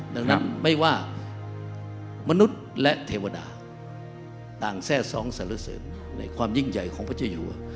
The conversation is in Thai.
ดังนั้นไม่ว่ามนุษย์และเทวดาต่างแทร่ซ้องสารเสริมในความยิ่งใหญ่ของพระเจ้าอยู่